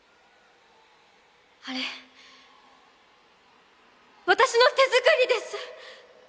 あれ私の手作りです！